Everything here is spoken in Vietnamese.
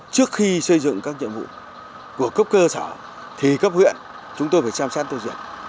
trước khi xây dựng các nhiệm vụ của cấp cơ sở thì cấp huyện chúng tôi phải chăm sát tôi duyệt